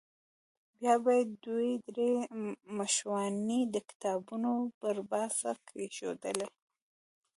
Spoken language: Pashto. بیا به یې دوې درې مشواڼۍ د کتابونو پر پاسه کېښودلې.